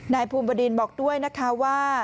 นายภูมิบดินบอกด้วยนะคะว่า